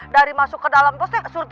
dari masuk ke dalam pos